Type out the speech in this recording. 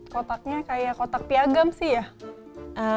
kotaknya kayak kotak piagam sih ya